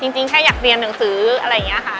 จริงแค่อยากเรียนหนังสืออะไรอย่างนี้ค่ะ